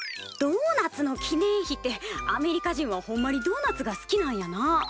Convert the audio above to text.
ドーナツの記念碑てアメリカ人はほんまにドーナツがすきなんやな。